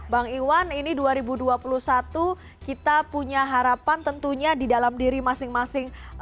bang iwan ini dua ribu dua puluh satu kita punya harapan tentunya di dalam diri masing masing